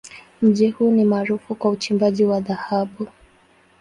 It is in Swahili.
Mji huu ni maarufu kwa uchimbaji wa dhahabu.